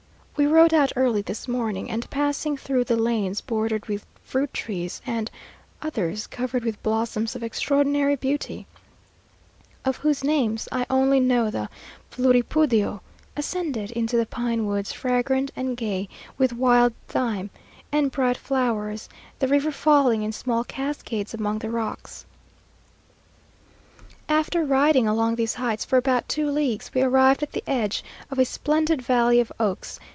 We rode out early this morning, and passing through the lanes bordered with fruit trees, and others covered with blossoms of extraordinary beauty, of whose names I only know the floripundio, ascended into the pine woods, fragrant and gay with wild thyme, and bright flowers; the river falling in small cascades among the rocks. After riding along these heights for about two leagues, we arrived at the edge of a splendid valley of oaks.